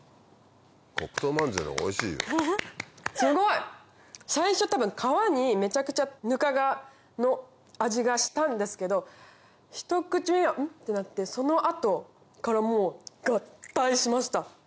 すごい！最初多分皮にめちゃくちゃぬかの味がしたんですけどひと口目はん？ってなってその後からもう合体しました。